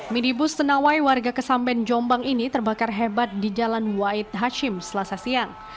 minibus senawai warga kesamben jombang ini terbakar hebat di jalan wahid hashim selasa siang